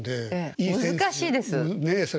難しいです。